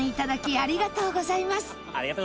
ありがとうございます！